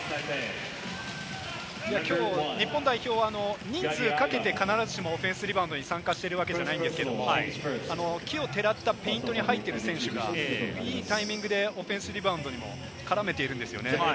きょう日本代表は人数をかけて、必ずしもオフェンスリバウンドに参加しているわけじゃないんですけれども、奇をてらったフェイントに入ってる選手が、いいタイミングでオフェンスリバウンドにも絡めているんですよね。